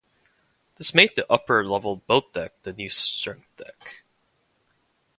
This made the upper level boat deck the new strength deck.